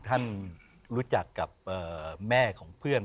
ท่านรู้จักกับแม่ของเพื่อน